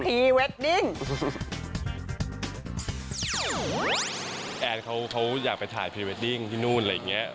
แอนเขาอยากไปถ่ายพรีเวดดิ้งที่นู่นอะไรอย่างนี้